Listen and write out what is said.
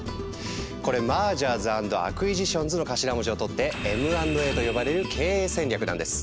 これ「ＭｅｒｇｅｒｓａｎｄＡｃｑｕｉｓｉｔｉｏｎｓ」の頭文字を取って「Ｍ＆Ａ」と呼ばれる経営戦略なんです。